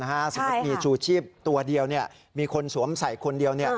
สมมุติมีชูชีพตัวเดียวมีคนสวมใส่คนเดียว